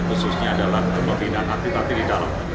khususnya adalah pembinaan atlet atlet di dalam